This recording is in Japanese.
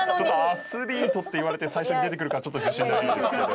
アスリートって言われて最初に出てくるかはちょっと自信ないですけど。